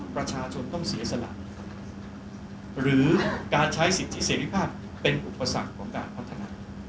ประชาชนต้องเสียสละหรือการใช้สิทธิเสรีภาพเป็นอุปสรรคของการพัฒนา